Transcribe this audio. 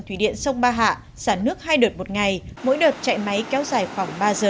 thủy điện sông ba hạ xả nước hai đợt một ngày mỗi đợt chạy máy kéo dài khoảng ba giờ